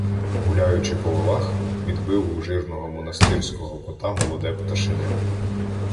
Гуляючи по валах, відбив у жирного монастирського кота молоде пташеня.